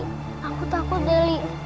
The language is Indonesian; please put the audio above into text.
takut takut deh li